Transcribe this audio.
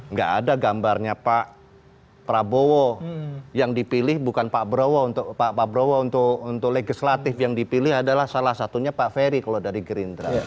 nggak ada gambarnya pak prabowo yang dipilih bukan pak prabowo untuk legislatif yang dipilih adalah salah satunya pak ferry kalau dari gerindra